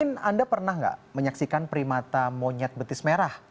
mungkin anda pernah nggak menyaksikan primata monyet betis merah